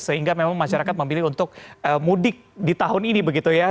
sehingga memang masyarakat memilih untuk mudik di tahun ini begitu ya